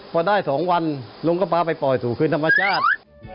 พอได้๒วันลุงก็พาไปปล่อยสู่คืนธรรมชาติ